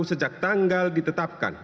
sejak tanggal ditetapkan